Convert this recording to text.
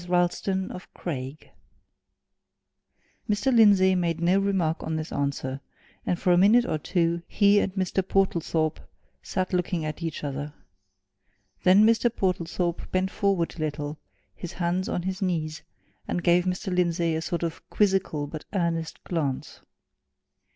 RALSTON OF CRAIG Mr. Lindsey made no remark on this answer, and for a minute or two he and Mr. Portlethorpe sat looking at each other. Then Mr. Portlethorpe bent forward a little, his hands on his knees, and gave Mr. Lindsey a sort of quizzical but earnest glance.